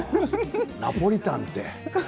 ナポリタンって。